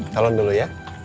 salon dulu ya